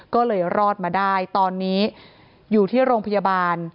ก็เลยรอดมาได้ตอนนี้อยู่ที่โรงพยาบาล